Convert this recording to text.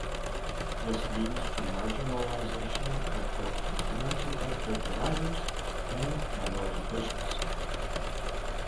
This leads to marginalization of both minority healthcare providers and minority patients.